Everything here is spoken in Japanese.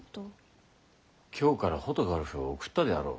京からホトガラフを送ったであろう。